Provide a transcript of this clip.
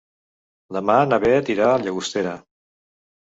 Demà na Beth irà a Llagostera.